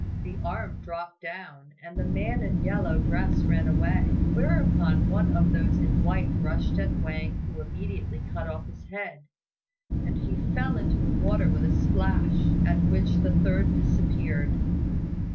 The arm dropped down and the man in the yellow dress ran away; whereupon one of those in white rushed at Wang who immediately cut off his head, and he fell into the water with a splash, at which the third disappeared.